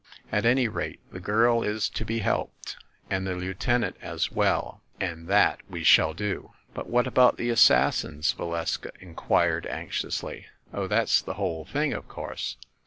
At any rate the girl is to be helped, and the lieutenant as well; and that we shall do." "But what about the 'Assassins'?" Valeska inquired anxiously. "Oh, that's the whole thing, of course.